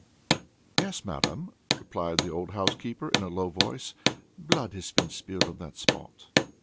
"Yes, madam," replied the old housekeeper in a low voice, "blood has been spilled on that spot."